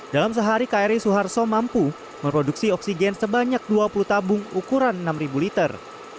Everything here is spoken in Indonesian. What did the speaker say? dalam sehari kri suharto mampu memproduksi oksigen sebanyak dua puluh tabung ukuran enam liter